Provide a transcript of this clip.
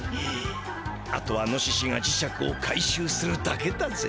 あとはノシシがじしゃくを回しゅうするだけだぜ。